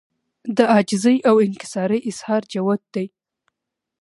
د عاجزۍاو انکسارۍ اظهار جوت دی